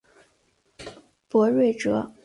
卜睿哲。